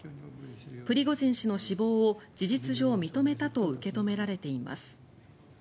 プリゴジン氏の死亡を事実上認めたと受け止められています。